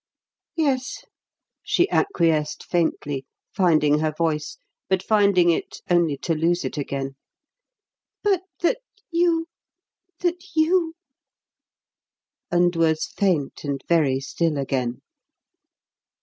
"Yes," she acquiesced faintly, finding her voice; but finding it only to lose it again. "But that you that you...." And was faint and very still again.